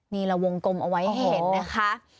นี่เราวงกลมเอาไว้เห็นนะคะ